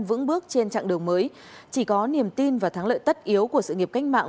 vững bước trên chặng đường mới chỉ có niềm tin và thắng lợi tất yếu của sự nghiệp cách mạng